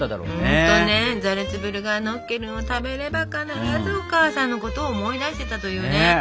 本当ねザルツブルガーノッケルンを食べれば必ずお母さんのことを思い出してたというね。